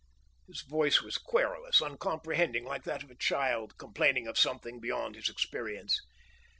His voice was querulous, uncomprehending, like that of a child complaining of something beyond his experience.